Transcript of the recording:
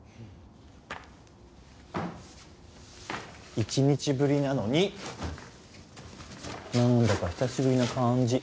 一日ぶりなのになんだか久しぶりな感じ。